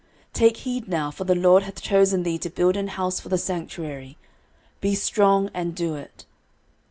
13:028:010 Take heed now; for the LORD hath chosen thee to build an house for the sanctuary: be strong, and do it.